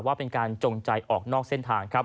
ว่าเป็นการจงใจออกนอกเส้นทางครับ